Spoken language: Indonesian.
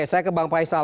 saya ke bang faisal